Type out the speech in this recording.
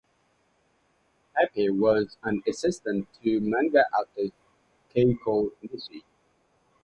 Peppe was an assistant to manga artist Keiko Nishi.